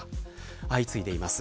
相次いでいます。